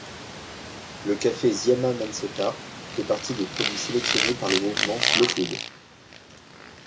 La café Ziama-Macenta fait partie des produits sélectionnés par le mouvement Slow Food.